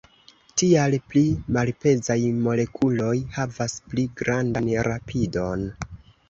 Tial, pli malpezaj molekuloj havas pli grandan rapidon.